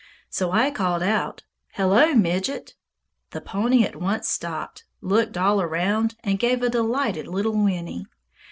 So I called out, "Hello, Midget!" The pony at once stopped, looked all around, and gave a delighted little whinny.